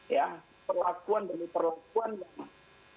ya perlakuan demi perlakuan memang